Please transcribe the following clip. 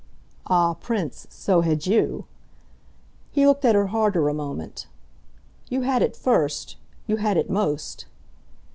"Ah, Prince, so had you!" He looked at her harder a moment. "You had it first. You had it most."